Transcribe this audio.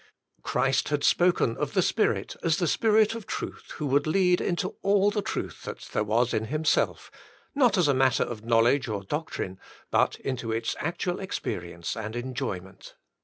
Christ had spoken of the Spirit as the Spirit of truth 133 134 The Inner Chamber who would lead into all the truth that there was in Himself, not as a matter of knowledge or doc trine, but into its actual experience and enjoyment.